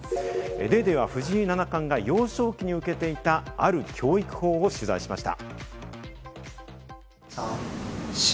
『ＤａｙＤａｙ．』は藤井七冠が幼少期に受けていたある教育法を取材しました。